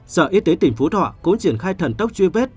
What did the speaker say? sở y tế tỉnh phú thọ cũng triển khai thần tốc truy vết